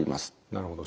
なるほど。